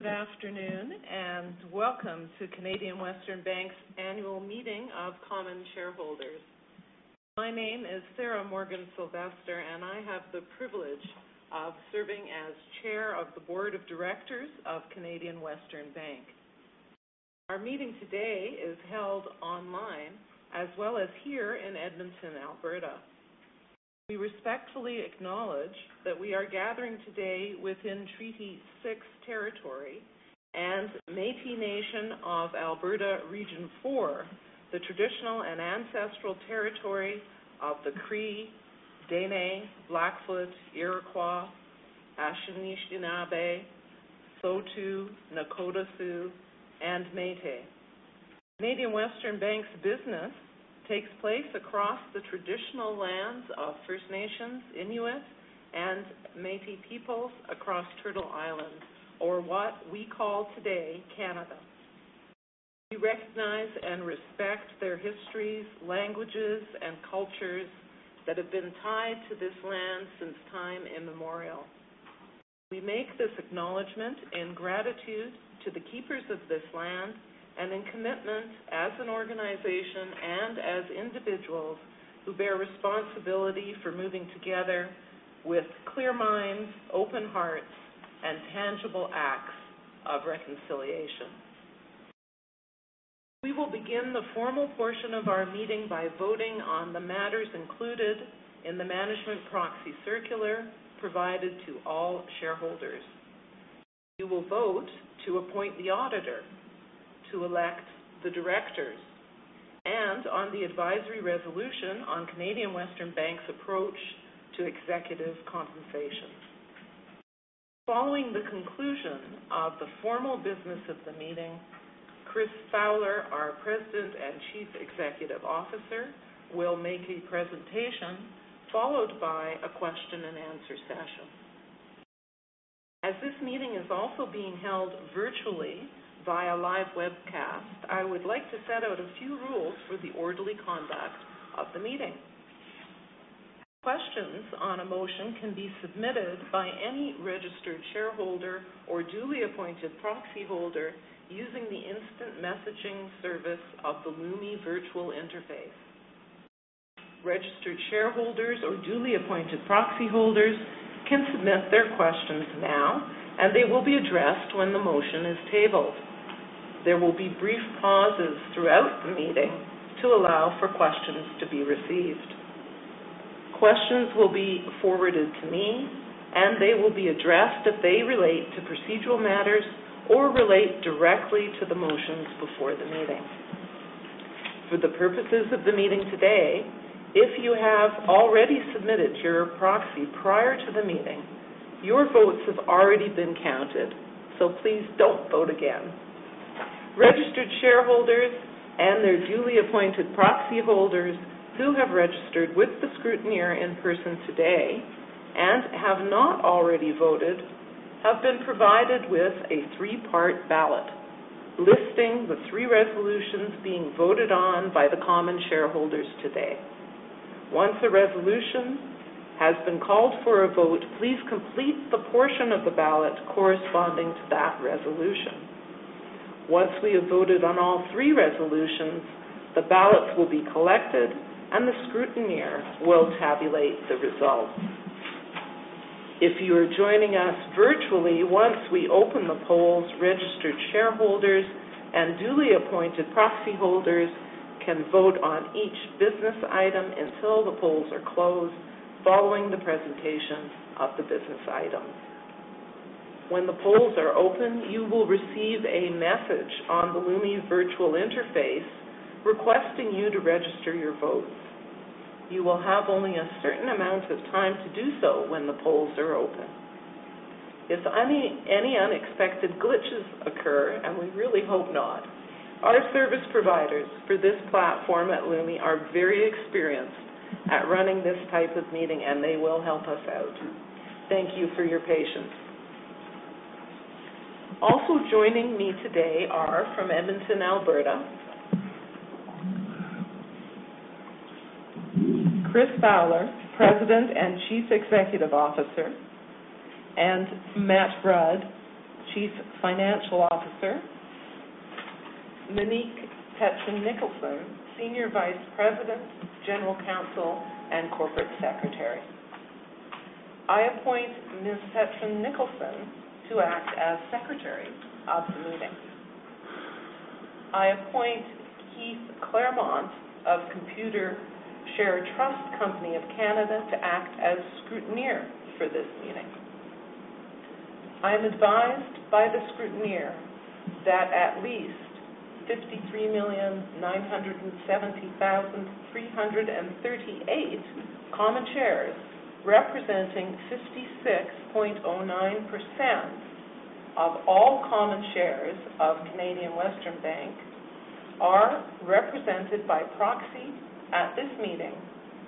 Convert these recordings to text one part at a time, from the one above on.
Good afternoon. Welcome to Canadian Western Bank's Annual Meeting of Common Shareholders. My name is Sarah Morgan-Silvester, and I have the privilege of serving as Chair of the Board of Directors of Canadian Western Bank. Our meeting today is held online as well as here in Edmonton, Alberta. We respectfully acknowledge that we are gathering today within Treaty 6 territory and Métis Nation of Alberta Region 4, the traditional and ancestral territory of the Cree, Dene, Blackfoot, Iroquois, Anishinaabe, Saulteaux, Nakota Sioux, and Métis. Canadian Western Bank's business takes place across the traditional lands of First Nations, Inuit, and Métis peoples across Turtle Island, or what we call today Canada. We recognize and respect their histories, languages, and cultures that have been tied to this land since time immemorial. We make this acknowledgment in gratitude to the keepers of this land and in commitment as an organization and as individuals who bear responsibility for moving together with clear minds, open hearts, and tangible acts of reconciliation. We will begin the formal portion of our meeting by voting on the matters included in the management proxy circular provided to all shareholders. You will vote to appoint the auditor, to elect the directors, and on the advisory resolution on Canadian Western Bank's approach to executive compensation. Following the conclusion of the formal business of the meeting, Chris Fowler, our President and Chief Executive Officer, will make a presentation followed by a question-and-answer session. As this meeting is also being held virtually via live webcast, I would like to set out a few rules for the orderly conduct of the meeting. Questions on a motion can be submitted by any registered shareholder or duly appointed proxyholder using the instant messaging service of the Lumi virtual interface. Registered shareholders or duly appointed proxyholders can submit their questions now, and they will be addressed when the motion is tabled. There will be brief pauses throughout the meeting to allow for questions to be received. Questions will be forwarded to me, and they will be addressed if they relate to procedural matters or relate directly to the motions before the meeting. For the purposes of the meeting today, if you have already submitted your proxy prior to the meeting, your votes have already been counted, so please don't vote again. Registered shareholders and their duly appointed proxyholders who have registered with the scrutineer in person today and have not already voted have been provided with a three-part ballot listing the three resolutions being voted on by the common shareholders today. Once a resolution has been called for a vote, please complete the portion of the ballot corresponding to that resolution. Once we have voted on all three resolutions, the ballots will be collected, and the scrutineer will tabulate the results. If you are joining us virtually, once we open the polls, registered shareholders and duly appointed proxyholders can vote on each business item until the polls are closed following the presentation of the business item. When the polls are open, you will receive a message on the Lumi virtual interface requesting you to register your votes. You will have only a certain amount of time to do so when the polls are open. If any unexpected glitches occur, and we really hope not, our service providers for this platform at Lumi are very experienced at running this type of meeting, and they will help us out. Thank you for your patience. Also joining me today are from Edmonton, Alberta, Chris Fowler, President and Chief Executive Officer, and Matt Rudd, Chief Financial Officer, Monique Petrin-Nicholson, Senior Vice President, General Counsel, and Corporate Secretary. I appoint Ms. Petrin-Nicholson to act as secretary of the meeting. I appoint Keith Claremont of Computershare Trust Company of Canada to act as scrutineer for this meeting. I am advised by the scrutineer that at least 53,970,338 common shares, representing 56.09% of all common shares of Canadian Western Bank, are represented by proxy at this meeting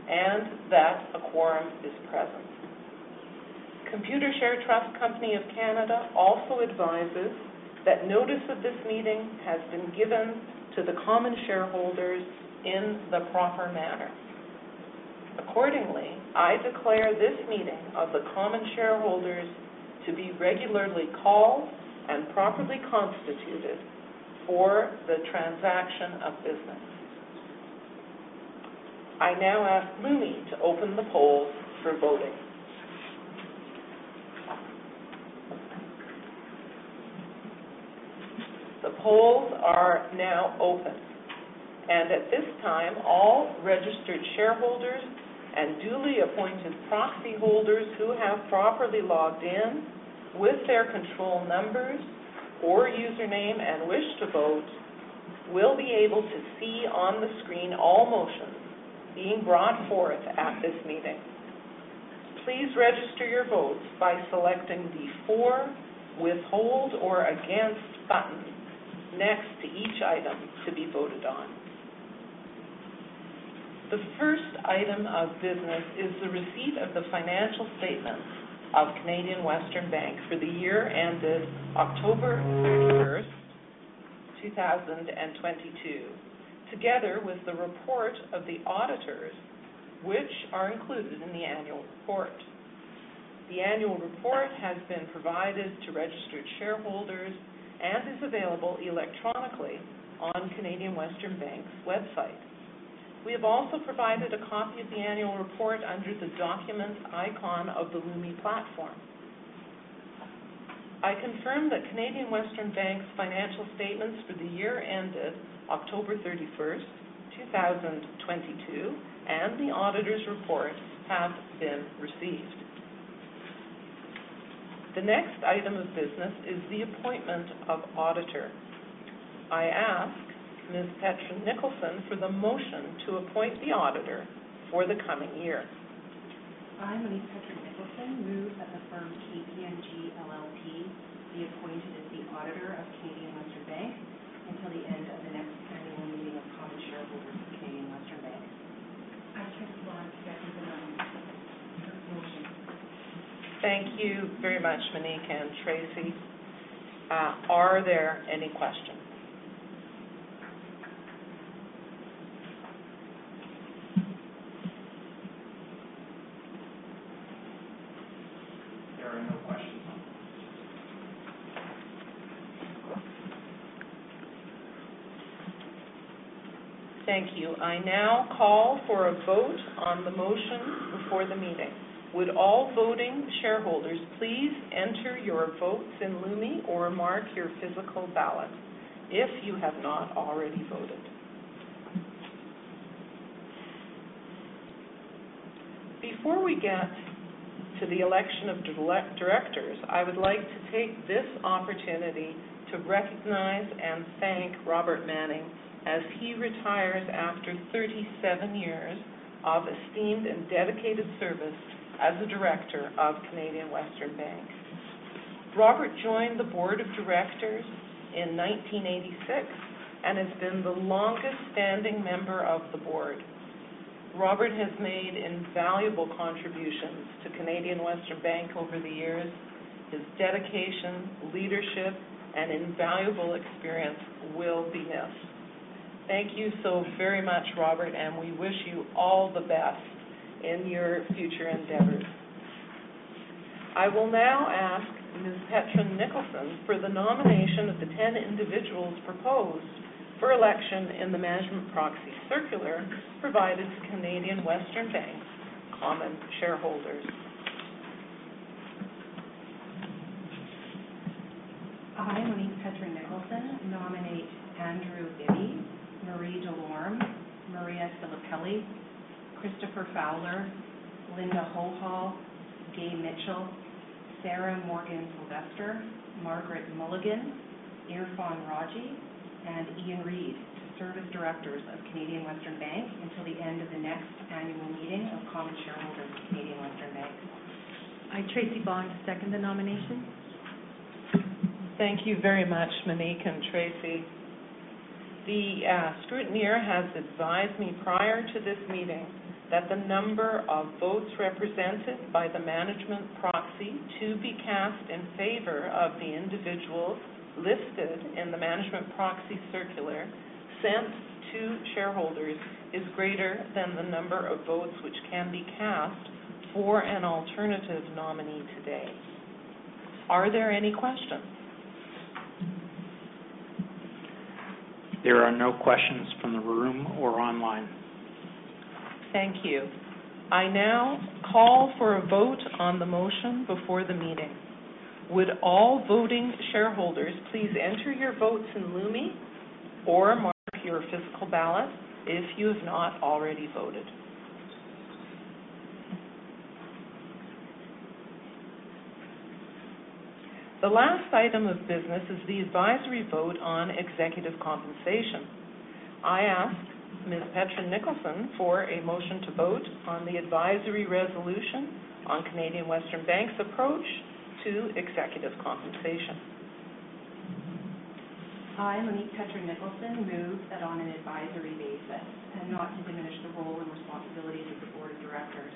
and that a quorum is present. Computershare Trust Company of Canada also advises that notice of this meeting has been given to the common shareholders in the proper manner. Accordingly, I declare this meeting of the common shareholders to be regularly called and properly constituted for the transaction of business. I now ask Lumi to open the polls for voting. The polls are now open, and at this time, all registered shareholders and duly appointed proxy holders who have properly logged in with their control numbers or username and wish to vote will be able to see on the screen all motions being brought forth at this meeting. Please register your votes by selecting the For, Withhold, or Against button next to each item to be voted on. The first item of business is the receipt of the financial statements of Canadian Western Bank for the year ended October 31st, 2022, together with the report of the auditors, which are included in the annual report. The annual report has been provided to registered shareholders and is available electronically on Canadian Western Bank's website. We have also provided a copy of the annual report under the Documents icon of the Lumi platform. I confirm that Canadian Western Bank's financial statements for the year ended October 31st, 2022, and the auditor's report have been received. The next item of business is the appointment of auditor. I ask Ms. Petrin-Nicholson for the motion to appoint the auditor for the coming year. I, Monique Petrin-Nicholson, move that the firm KPMG LLP be appointed as the auditor of Canadian Western Bank until the end of the next annual meeting of common shareholders of Canadian Western Bank. I, Tracey Ball, second the motion. Thank you very much, Monique. Are there any questions? There are no questions. Thank you. I now call for a vote on the motion before the meeting. Would all voting shareholders please enter your votes in Lumi or mark your physical ballot if you have not already voted. Before we get to the election of directors, I would like to take this opportunity to recognize and thank Robert Manning as he retires after 37 years of esteemed and dedicated service as a director of Canadian Western Bank. Robert joined the board of directors in 1986 and has been the longest-standing member of the board. Robert has made invaluable contributions to Canadian Western Bank over the years. His dedication, leadership, and invaluable experience will be missed. Thank you so very much, Robert, and we wish you all the best in your future endeavors. I will now ask Ms. Petrin-Nicholson for the nomination of the 10 individuals proposed for election in the management proxy circular provided to Canadian Western Bank's common shareholders. I, Monique Petrin-Nicholson, nominate Andrew J. Bibby, Marie Delorme, Maria Filippelli, Christopher Fowler, Linda Hohol, E. Gay Mitchell, Sarah Morgan-Silvester, Margaret Mulligan, Irfhan Rawji, and Ian M. Reid to serve as directors of Canadian Western Bank until the end of the next annual meeting of common shareholders of Canadian Western Bank. I, Tracey Ball, second the nomination. Thank you very much, Monique and Tracey. The scrutineer has advised me prior to this meeting that the number of votes represented by the management proxy to be cast in favor of the individuals listed in the management proxy circular sent to shareholders is greater than the number of votes which can be cast for an alternative nominee today. Are there any questions? There are no questions from the room or online. Thank you. I now call for a vote on the motion before the meeting. Would all voting shareholders please enter your votes in Lumi or mark your physical ballot if you have not already voted. The last item of business is the advisory vote on executive compensation. I ask Ms. Petrin-Nicholson for a motion to vote on the advisory resolution on Canadian Western Bank's approach to executive compensation. I, Monique Petrin-Nicholson, move that on an advisory basis, and not to diminish the role and responsibilities of the board of directors,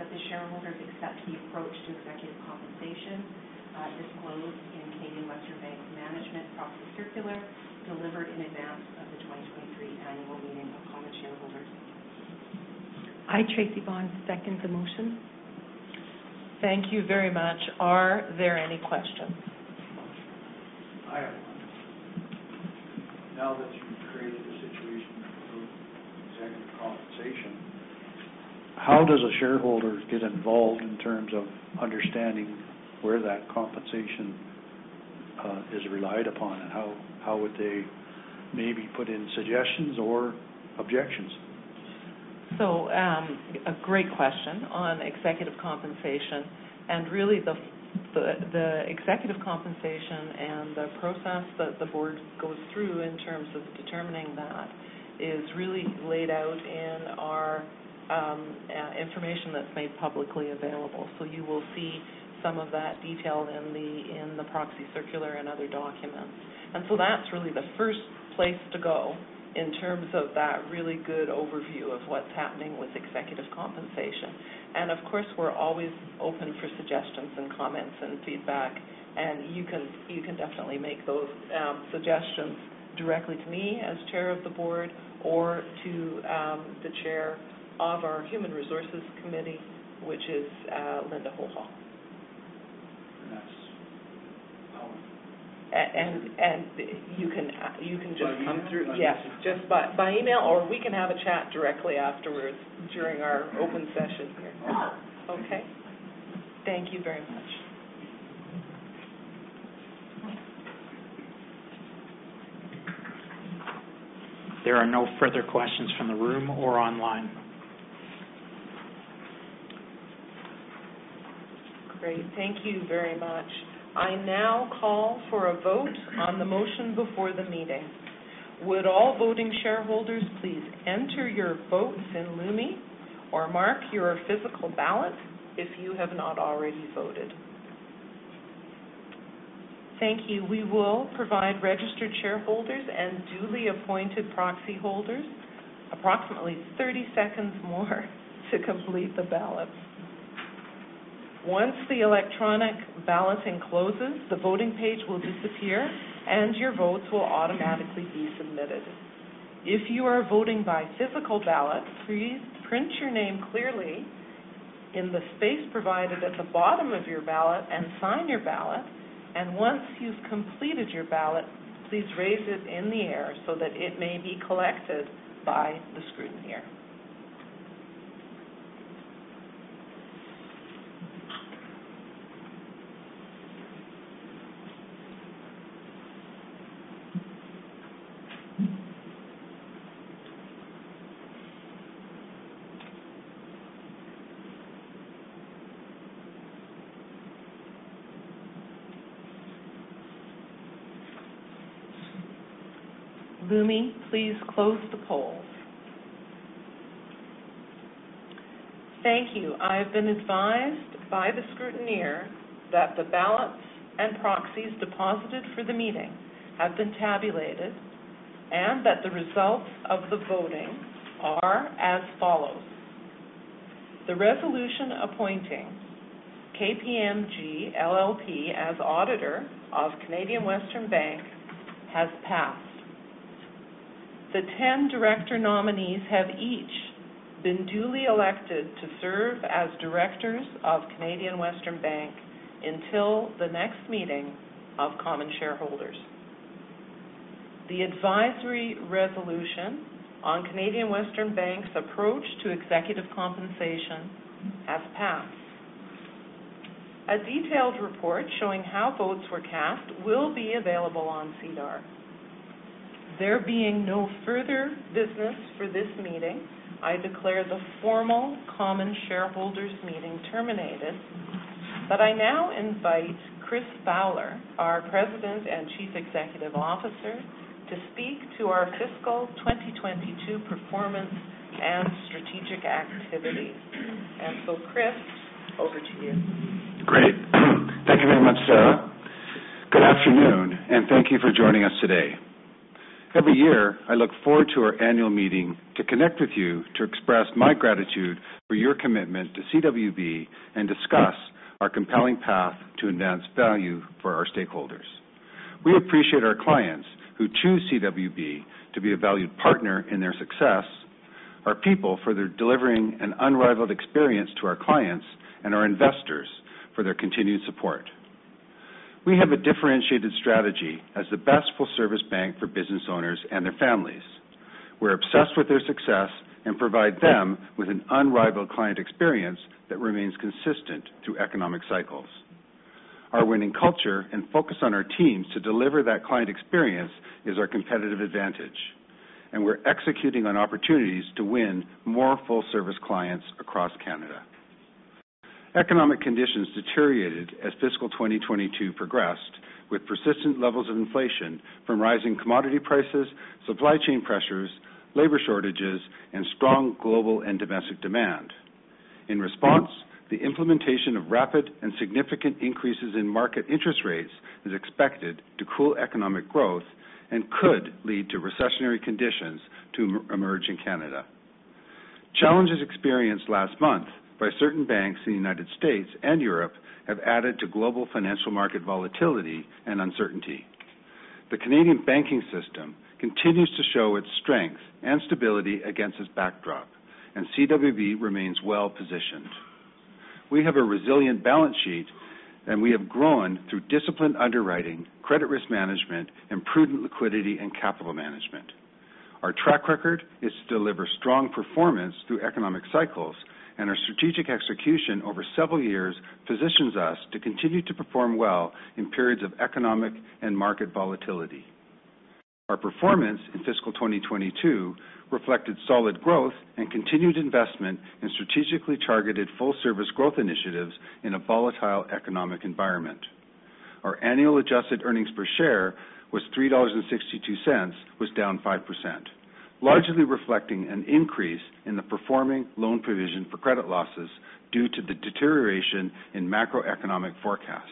that the shareholders accept the approach to executive compensation disclosed in Canadian Western Bank's management proxy circular delivered in advance of the 2023 annual meeting of common shareholders. I, Tracy Bond, second the motion. Thank you very much. Are there any questions? I have one. Now that you've created a situation for executive compensation, how does a shareholder get involved in terms of understanding where that compensation is relied upon, and how would they maybe put in suggestions or objections? A great question on executive compensation. Really, the executive compensation and the process that the board goes through in terms of determining that is really laid out in our information that's made publicly available. You will see some of that detailed in the proxy circular and other documents. That's really the first place to go in terms of that really good overview of what's happening with executive compensation. Of course, we're always open for suggestions and comments and feedback, and you can definitely make those suggestions directly to me as Chair of the Board or to the Chair of our Human Resources Committee, which is Linda Hohol. And that's how- And you can just- By email? Yes, just by email, or we can have a chat directly afterwards during our open session here. Sure. Okay. Thank you very much. There are no further questions from the room or online. Great. Thank you very much. I now call for a vote on the motion before the meeting. Would all voting shareholders please enter your votes in Lumi or mark your physical ballot if you have not already voted. Thank you. We will provide registered shareholders and duly appointed proxy holders approximately 30 seconds more to complete the ballot. Once the electronic balloting closes, the voting page will disappear, and your votes will automatically be submitted. If you are voting by physical ballot, please print your name clearly in the space provided at the bottom of your ballot and sign your ballot. Once you've completed your ballot, please raise it in the air so that it may be collected by the scrutineer. Lumi, please close the polls. Thank you. I have been advised by the scrutineer that the ballots and proxies deposited for the meeting have been tabulated and that the results of the voting are as follows. The resolution appointing KPMG LLP as auditor of Canadian Western Bank has passed. The 10 director nominees have each been duly elected to serve as directors of Canadian Western Bank until the next meeting of common shareholders. The advisory resolution on Canadian Western Bank's approach to executive compensation has passed. A detailed report showing how votes were cast will be available on SEDAR. There being no further business for this meeting, I declare the formal common shareholders meeting terminated. I now invite Chris Fowler, our President and Chief Executive Officer, to speak to our fiscal 2022 performance and strategic activity. Chris, over to you. Great. Thank you very much, Sarah. Good afternoon, and thank you for joining us today. Every year, I look forward to our annual meeting to connect with you to express my gratitude for your commitment to CWB and discuss our compelling path to enhance value for our stakeholders. We appreciate our clients who choose CWB to be a valued partner in their success, our people for their delivering an unrivaled experience to our clients, and our investors for their continued support. We have a differentiated strategy as the best full-service bank for business owners and their families. We're obsessed with their success and provide them with an unrivaled client experience that remains consistent through economic cycles. Our winning culture and focus on our teams to deliver that client experience is our competitive advantage. We're executing on opportunities to win more full-service clients across Canada. Economic conditions deteriorated as fiscal 2022 progressed, with persistent levels of inflation from rising commodity prices, supply chain pressures, labor shortages, and strong global and domestic demand. In response, the implementation of rapid and significant increases in market interest rates is expected to cool economic growth. Could lead to recessionary conditions to emerge in Canada. Challenges experienced last month by certain banks in the United States and Europe have added to global financial market volatility and uncertainty. The Canadian banking system continues to show its strength and stability against this backdrop, and CWB remains well-positioned. We have a resilient balance sheet, and we have grown through disciplined underwriting, credit risk management, and prudent liquidity and capital management. Our track record is to deliver strong performance through economic cycles, and our strategic execution over several years positions us to continue to perform well in periods of economic and market volatility. Our performance in fiscal 2022 reflected solid growth and continued investment in strategically targeted full service growth initiatives in a volatile economic environment. Our annual adjusted earnings per share was 3.62 dollars, down 5%, largely reflecting an increase in the performing loan provision for credit losses due to the deterioration in macroeconomic forecasts.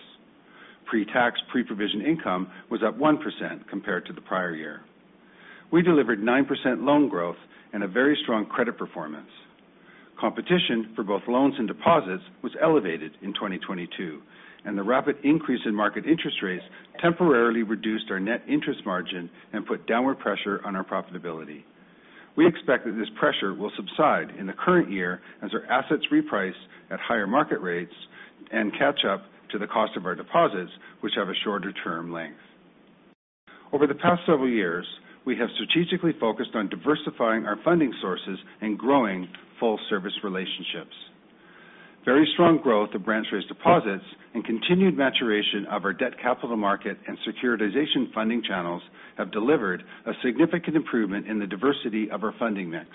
Pre-tax, pre-provision income was up 1% compared to the prior year. We delivered 9% loan growth and a very strong credit performance. The rapid increase in market interest rates temporarily reduced our net interest margin and put downward pressure on our profitability. We expect that this pressure will subside in the current year as our assets reprice at higher market rates and catch up to the cost of our deposits, which have a shorter term length. Over the past several years, we have strategically focused on diversifying our funding sources and growing full service relationships. Very strong growth of branch-raised deposits and continued maturation of our debt capital market and securitization funding channels have delivered a significant improvement in the diversity of our funding mix.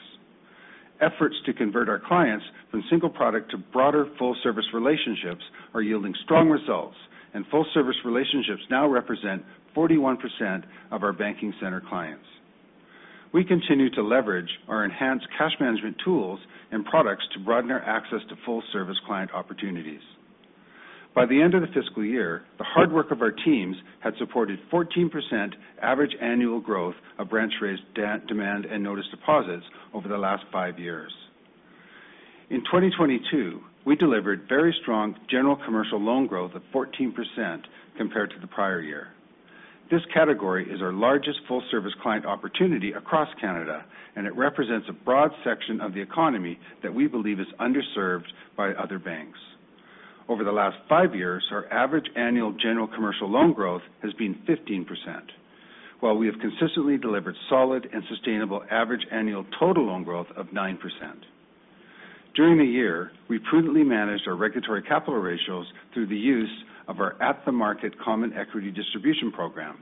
Efforts to convert our clients from single product to broader full service relationships are yielding strong results, and full service relationships now represent 41% of our banking center clients. We continue to leverage our enhanced cash management tools and products to broaden our access to full service client opportunities. By the end of the fiscal year, the hard work of our teams had supported 14% average annual growth of branch-raised demand and notice deposits over the last five years. In 2022, we delivered very strong general commercial loan growth of 14% compared to the prior year. This category is our largest full service client opportunity across Canada, and it represents a broad section of the economy that we believe is underserved by other banks. Over the last five years, our average annual general commercial loan growth has been 15%, while we have consistently delivered solid and sustainable average annual total loan growth of 9%. During the year, we prudently managed our regulatory capital ratios through the use of our at the market common equity distribution program.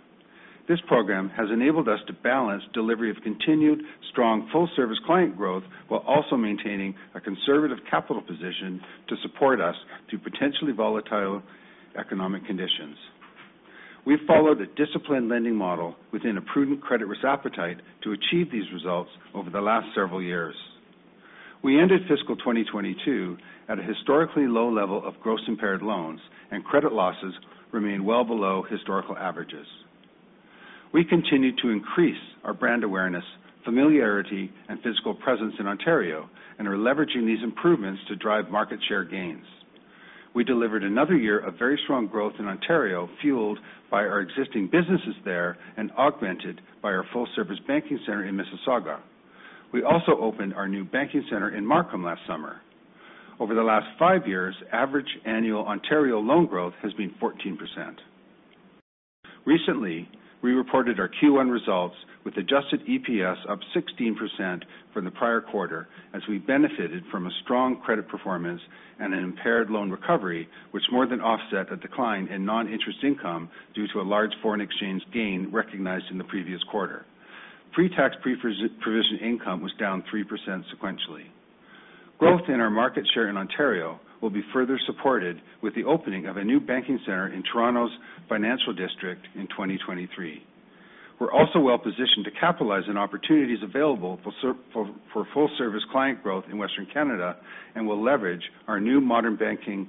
This program has enabled us to balance delivery of continued strong full service client growth while also maintaining a conservative capital position to support us through potentially volatile economic conditions. We've followed a disciplined lending model within a prudent credit risk appetite to achieve these results over the last several years. We ended fiscal 2022 at a historically low level of gross impaired loans, and credit losses remain well below historical averages. We continue to increase our brand awareness, familiarity, and physical presence in Ontario and are leveraging these improvements to drive market share gains. We delivered another year of very strong growth in Ontario, fueled by our existing businesses there and augmented by our full service banking center in Mississauga. We also opened our new banking center in Markham last summer. Over the last five years, average annual Ontario loan growth has been 14%. Recently, we reported our Q1 results with adjusted EPS up 16% from the prior quarter as we benefited from a strong credit performance and an impaired loan recovery, which more than offset a decline in non-interest income due to a large foreign exchange gain recognized in the previous quarter. Pre-tax, pre-provision income was down 3% sequentially. Growth in our market share in Ontario will be further supported with the opening of a new banking center in Toronto's financial district in 2023. We're also well positioned to capitalize on opportunities available for full service client growth in Western Canada and will leverage our new modern banking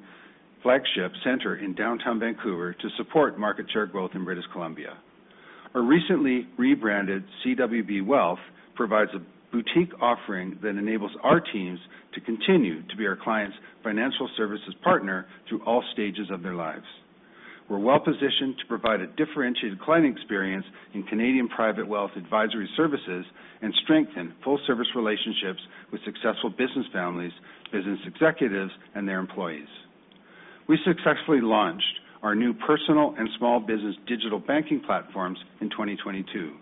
flagship center in downtown Vancouver to support market share growth in British Columbia. Our recently rebranded CWB Wealth provides a boutique offering that enables our teams to continue to be our clients' financial services partner through all stages of their lives. We're well positioned to provide a differentiated client experience in Canadian private wealth advisory services and strengthen full service relationships with successful business families, business executives, and their employees. We successfully launched our new personal and small business digital banking platforms in 2022.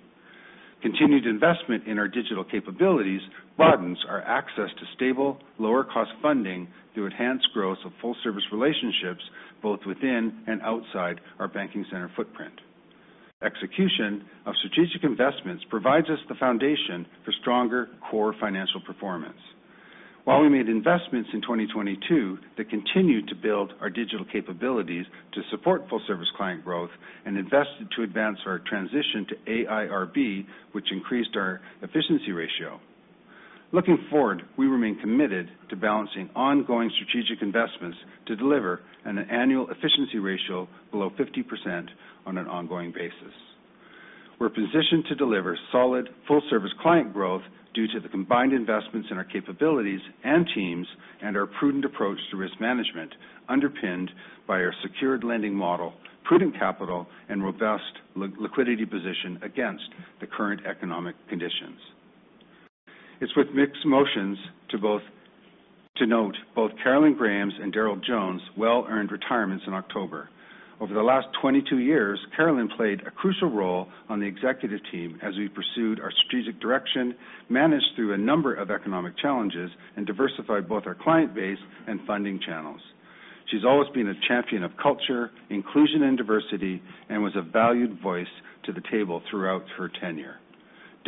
Continued investment in our digital capabilities broadens our access to stable, lower cost funding to enhance growth of full-service relationships both within and outside our banking center footprint. Execution of strategic investments provides us the foundation for stronger core financial performance. While we made investments in 2022 that continued to build our digital capabilities to support full-service client growth and invested to advance our transition to AIRB, which increased our efficiency ratio. Looking forward, we remain committed to balancing ongoing strategic investments to deliver an annual efficiency ratio below 50% on an ongoing basis. We're positioned to deliver solid full-service client growth due to the combined investments in our capabilities and teams, and our prudent approach to risk management, underpinned by our secured lending model, prudent capital, and robust liquidity position against the current economic conditions. It's with mixed motions to note both Carolyn Graham and Darrell Jones' well-earned retirements in October. Over the last 22 years, Carolyn played a crucial role on the executive team as we pursued our strategic direction, managed through a number of economic challenges, and diversified both our client base and funding channels. She's always been a champion of culture, inclusion, and diversity, and was a valued voice to the table throughout her tenure.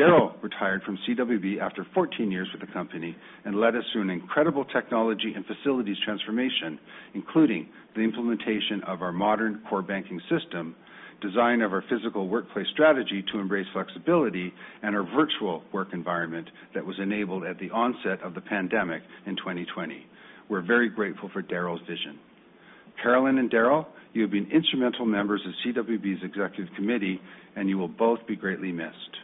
Darrell retired from CWB after 14 years with the company and led us through an incredible technology and facilities transformation, including the implementation of our modern core banking system, design of our physical workplace strategy to embrace flexibility, and our virtual work environment that was enabled at the onset of the pandemic in 2020. We're very grateful for Darrell's vision. Carolyn and Darrell, you have been instrumental members of CWB's executive committee, and you will both be greatly missed.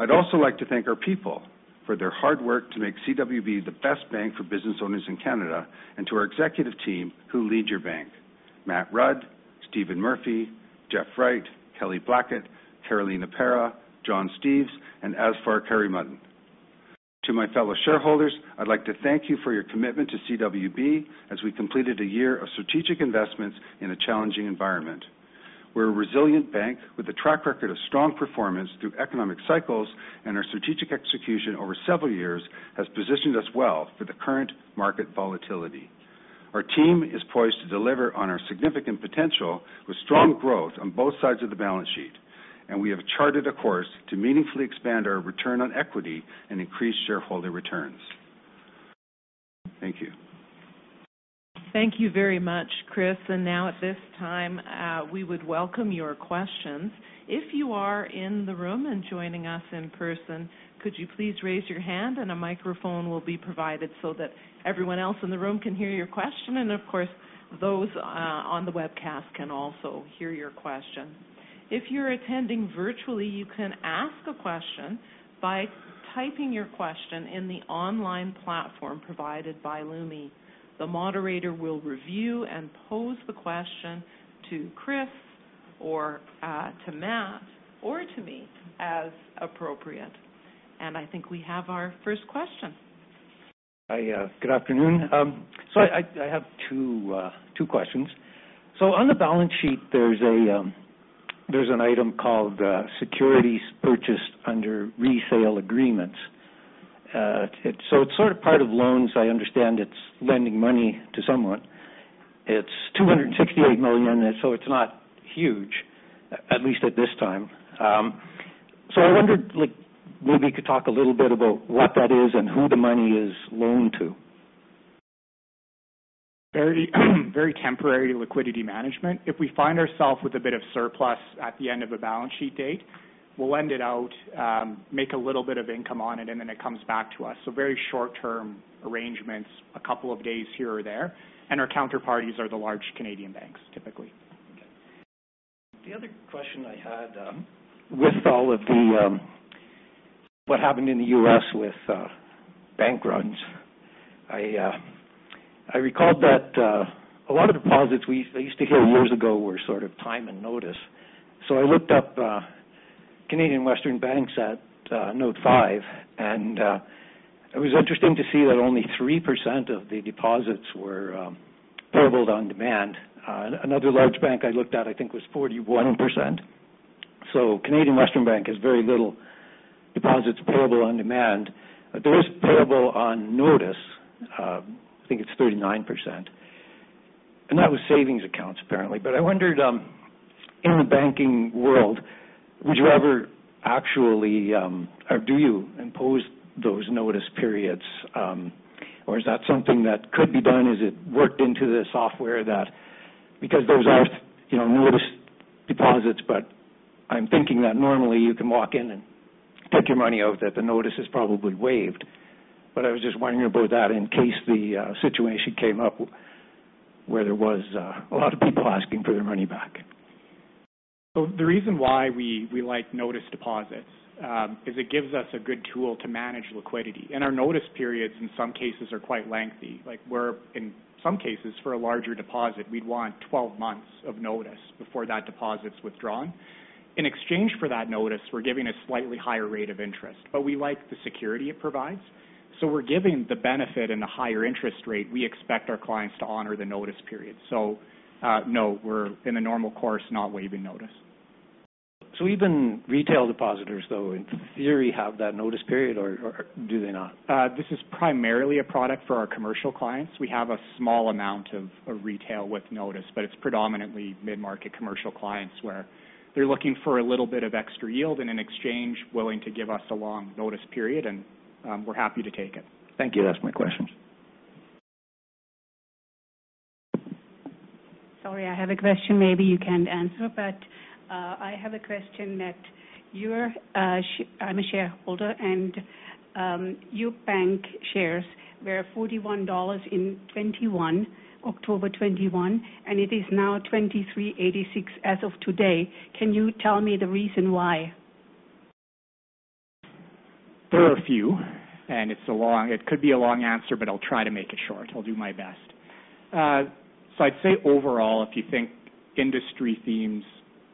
I'd also like to thank our people for their hard work to make CWB the best bank for business owners in Canada, and to our executive team, who lead your bank, Matt Rudd, Stephen Murphy, Jeff Wright, Kelly Blackett, Carolina Parra, John Steeves, and Azfar Karimuddin. To my fellow shareholders, I'd like to thank you for your commitment to CWB as we completed a year of strategic investments in a challenging environment. We're a resilient bank with a track record of strong performance through economic cycles, and our strategic execution over several years has positioned us well for the current market volatility. Our team is poised to deliver on our significant potential with strong growth on both sides of the balance sheet, and we have charted a course to meaningfully expand our return on equity and increase shareholder returns. Thank you. Thank you very much, Chris. Now at this time, we would welcome your questions. If you are in the room and joining us in person, could you please raise your hand and a microphone will be provided so that everyone else in the room can hear your question, and of course, those on the webcast can also hear your question. If you're attending virtually, you can ask a question by typing your question in the online platform provided by Lumi. The moderator will review and pose the question to Chris or to Matt or to me as appropriate. I think we have our first question. Good afternoon. I have two questions. On the balance sheet, there's an item called securities purchased under resale agreements. It's sort of part of loans. I understand it's lending money to someone. It's 268 million, so it's not huge, at least at this time. I wondered maybe you could talk a little bit about what that is and who the money is loaned to. Very temporary liquidity management. If we find ourselves with a bit of surplus at the end of a balance sheet date, we'll lend it out, make a little bit of income on it, and then it comes back to us. Very short-term arrangements, a couple of days here or there, and our counterparties are the large Canadian banks, typically. Okay. The other question I had with all of what happened in the U.S. with bank runs, I recalled that a lot of deposits I used to hear years ago were sort of time and notice. I looked up Canadian Western Bank's at Note five, and it was interesting to see that only 3% of the deposits were payable on demand. Another large bank I looked at, I think, was 41%. Canadian Western Bank has very little deposits payable on demand. There is payable on notice, I think it's 39%, and that was savings accounts, apparently. I wondered, in the banking world, would you ever or do you impose those notice periods? Or is that something that could be done? Is it worked into the software that Because those are notice deposits, but I'm thinking that normally you can walk in and take your money out, that the notice is probably waived? I was just wondering about that in case the situation came up where there was a lot of people asking for their money back. The reason why we like notice deposits is it gives us a good tool to manage liquidity. Our notice periods, in some cases, are quite lengthy. In some cases, for a larger deposit, we'd want 12 months of notice before that deposit's withdrawn. In exchange for that notice, we're giving a slightly higher rate of interest, but we like the security it provides. We're given the benefit and the higher interest rate, we expect our clients to honor the notice period. No, we're in the normal course, not waiving notice. Even retail depositors, though, in theory, have that notice period, or do they not? This is primarily a product for our commercial clients. We have a small amount of retail with notice, but it is predominantly mid-market commercial clients where they are looking for a little bit of extra yield and in exchange, willing to give us a long notice period, and we are happy to take it. Thank you. That's my questions. Sorry, I have a question maybe you can answer. I have a question. I'm a shareholder. Your bank shares were 41 dollars in October 2021. It is now 23.86 as of today. Can you tell me the reason why? There are a few, and it could be a long answer, but I'll try to make it short. I'll do my best. I'd say overall, if you think industry themes,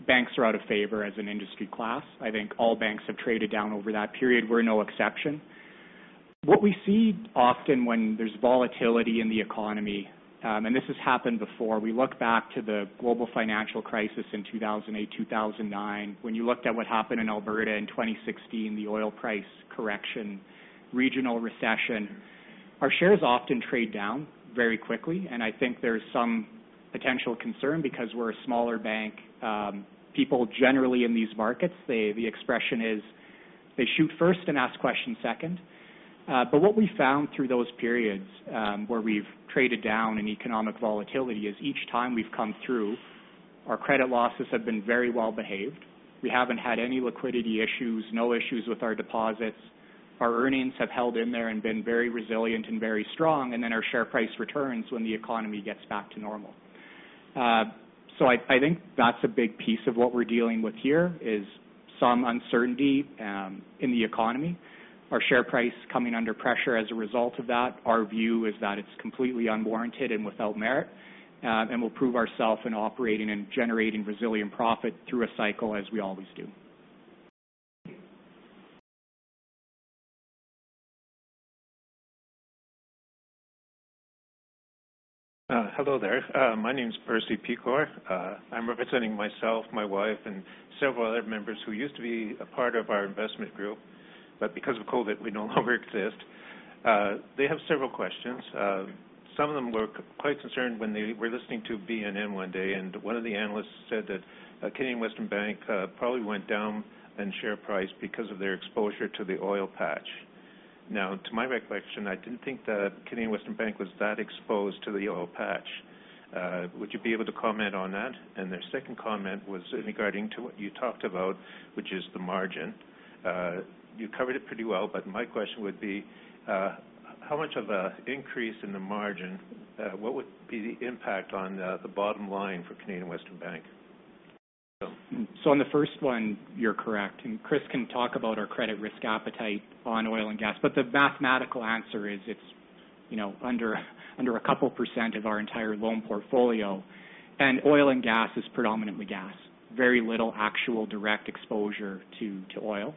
banks are out of favor as an industry class. I think all banks have traded down over that period. We're no exception. What we see often when there's volatility in the economy, and this has happened before, we look back to the Global Financial Crisis in 2008, 2009. When you looked at what happened in Alberta in 2016, the oil price correction, regional recession. Our shares often trade down very quickly, and I think there's some potential concern because we're a smaller bank. People generally in these markets, the expression is they shoot first and ask questions second. What we found through those periods, where we've traded down in economic volatility, is each time we've come through, our credit losses have been very well-behaved. We haven't had any liquidity issues, no issues with our deposits. Our earnings have held in there and been very resilient and very strong. Our share price returns when the economy gets back to normal. I think that's a big piece of what we're dealing with here is some uncertainty in the economy. Our share price coming under pressure as a result of that. Our view is that it's completely unwarranted and without merit, and we'll prove ourself in operating and generating resilient profit through a cycle as we always do. Hello there. My name's Percy Pecor. I'm representing myself, my wife, and several other members who used to be a part of our investment group, but because of COVID, we no longer exist. They have several questions. Some of them were quite concerned when they were listening to BNN one day, and one of the analysts said that Canadian Western Bank probably went down in share price because of their exposure to the oil patch. To my recollection, I didn't think that Canadian Western Bank was that exposed to the oil patch. Would you be able to comment on that? Their second comment was regarding to what you talked about, which is the margin. You covered it pretty well, my question would be, how much of an increase in the margin, what would be the impact on the bottom line for Canadian Western Bank? On the first one, you're correct, and Chris can talk about our credit risk appetite on oil and gas, but the mathematical answer is it's under a couple percent of our entire loan portfolio, and oil and gas is predominantly gas. Very little actual direct exposure to oil.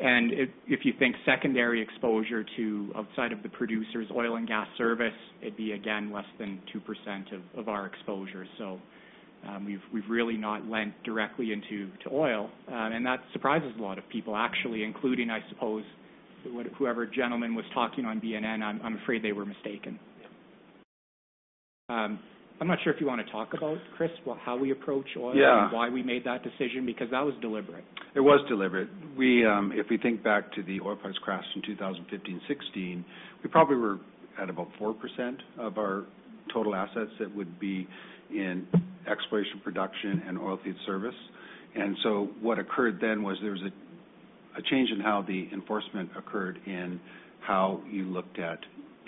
If you think secondary exposure to outside of the producer's oil and gas service, it'd be again less than 2% of our exposure. We've really not lent directly into oil. That surprises a lot of people, actually, including, I suppose, whoever gentleman was talking on BNN. I'm afraid they were mistaken. I'm not sure if you want to talk about, Chris, how we approach oil- Yeah. Why we made that decision, because that was deliberate. It was deliberate. If we think back to the oil price crash in 2015, 2016, we probably were at about 4% of our total assets that would be in exploration production and oil field service. What occurred then was there was a change in how the enforcement occurred in how you looked at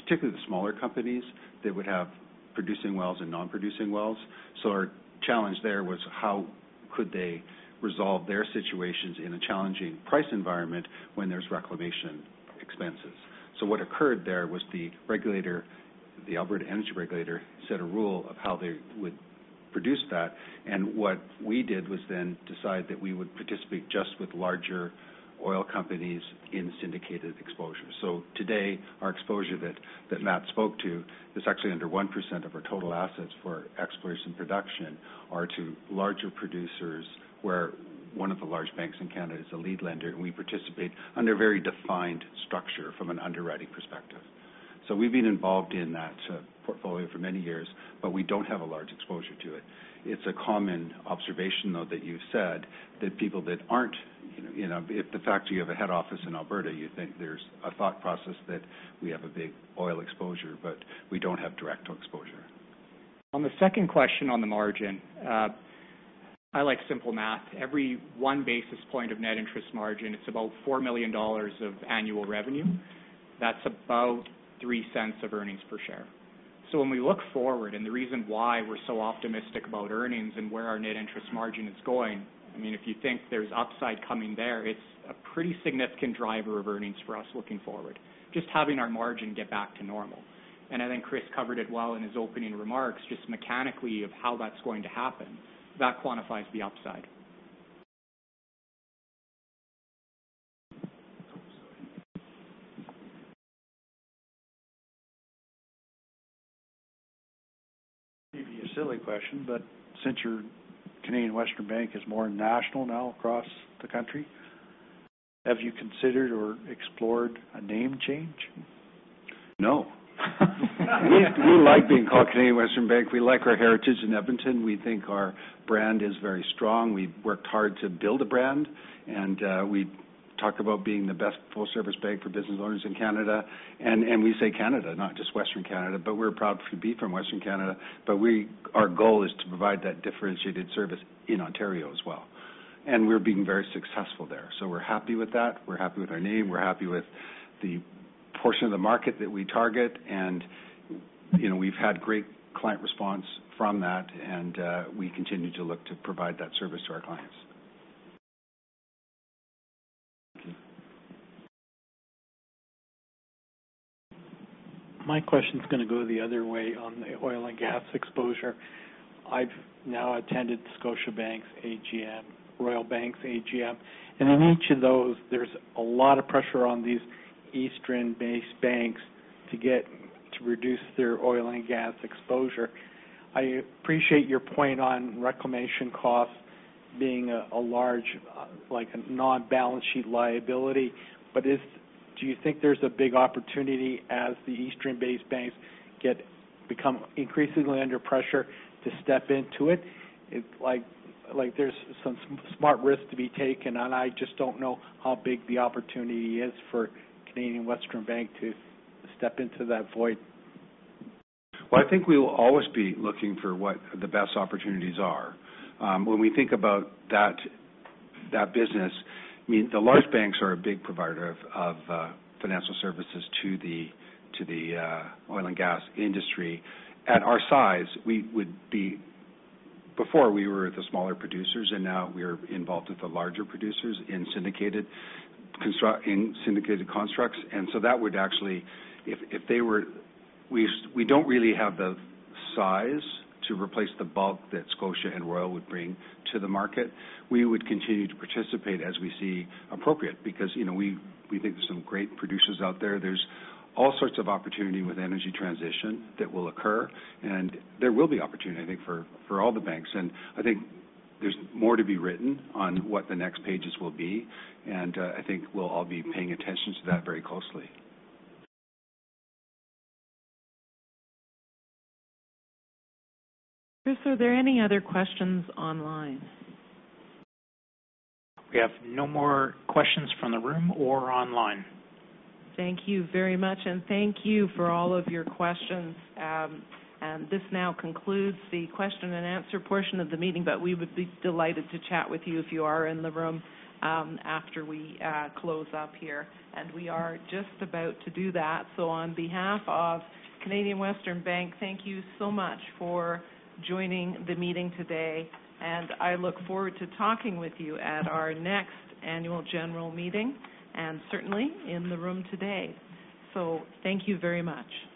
particularly the smaller companies that would have producing wells and non-producing wells. Our challenge there was how could they resolve their situations in a challenging price environment when there's reclamation expenses. What occurred there was the regulator, the Alberta Energy Regulator, set a rule of how they would produce that. What we did was then decide that we would participate just with larger oil companies in syndicated exposure. Today, our exposure that Matt spoke to is actually under 1% of our total assets for exploration production are to larger producers, where one of the large banks in Canada is a lead lender, and we participate under a very defined structure from an underwriting perspective. We've been involved in that portfolio for many years, but we don't have a large exposure to it. It's a common observation, though, that you've said that people that if the fact you have a head office in Alberta, you think there's a thought process that we have a big oil exposure, but we don't have direct exposure. On the second question on the margin, I like simple math. Every one basis point of net interest margin, it's about 4 million dollars of annual revenue. That's about 0.03 of earnings per share. When we look forward and the reason why we're so optimistic about earnings and where our net interest margin is going, if you think there's upside coming there, it's a pretty significant driver of earnings for us looking forward. Just having our margin get back to normal. I think Chris covered it well in his opening remarks, just mechanically of how that's going to happen. That quantifies the upside. Maybe a silly question, since your Canadian Western Bank is more national now across the country, have you considered or explored a name change? No. We like being called Canadian Western Bank. We like our heritage in Edmonton. We think our brand is very strong. We've worked hard to build a brand, and talk about being the best full-service bank for business owners in Canada. We say Canada, not just Western Canada, but we're proud to be from Western Canada. Our goal is to provide that differentiated service in Ontario as well. We're being very successful there. We're happy with that. We're happy with our name, we're happy with the portion of the market that we target, and we've had great client response from that, and we continue to look to provide that service to our clients. My question's going to go the other way on the oil and gas exposure. I've now attended Scotiabank's AGM, Royal Bank's AGM, and in each of those, there's a lot of pressure on these Eastern-based banks to reduce their oil and gas exposure. I appreciate your point on reclamation costs being a large non-balance sheet liability. Do you think there's a big opportunity as the Eastern-based banks become increasingly under pressure to step into it? There's some smart risk to be taken, and I just don't know how big the opportunity is for Canadian Western Bank to step into that void. Well, I think we will always be looking for what the best opportunities are. When we think about that business, the large banks are a big provider of financial services to the oil and gas industry. At our size, before we were the smaller producers, and now we're involved with the larger producers in syndicated constructs. We don't really have the size to replace the bulk that Scotia and Royal would bring to the market. We would continue to participate as we see appropriate because we think there's some great producers out there. There's all sorts of opportunity with energy transition that will occur, and there will be opportunity, I think, for all the banks. I think there's more to be written on what the next pages will be, and I think we'll all be paying attention to that very closely. Chris, are there any other questions online? We have no more questions from the room or online. Thank you very much, and thank you for all of your questions. This now concludes the question and answer portion of the meeting, but we would be delighted to chat with you if you are in the room after we close up here. We are just about to do that. On behalf of Canadian Western Bank, thank you so much for joining the meeting today, and I look forward to talking with you at our next annual general meeting and certainly in the room today. Thank you very much.